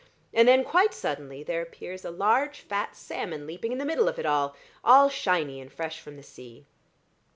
And then quite suddenly there appears a large fat salmon leaping in the middle of it all, all shiny and fresh from the sea.